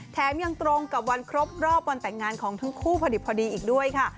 แท้งตรงกับวันครบรอบวันแต่งงานของทั้งคู่พอดีอีกด้วย